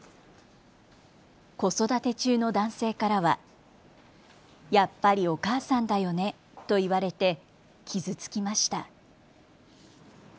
子育て中の男性からは、やっぱり、お母さんだよねと言われて傷つきました。